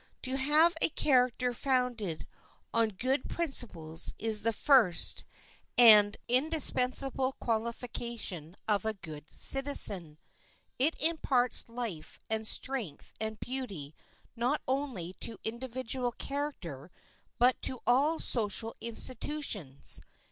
To have a character founded on good principles is the first and indispensable qualification of a good citizen. It imparts life and strength and beauty not only to individual character, but to all social institutions.